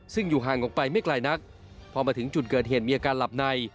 ซึ่งอยู่ห่างออกไปไม่ไกลนักพอมาถึงจุดเกิดเหตุมีอาการหลับใน